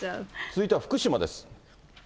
続いては福島です。